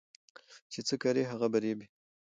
چي څه کرې هغه به رېبې